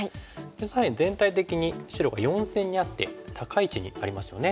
左辺全体的に白が４線にあって高い位置にありますよね。